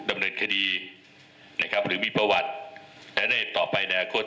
ดำเนินคดีนะครับหรือมีประวัติและในต่อไปในอนาคต